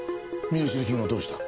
身代金がどうした？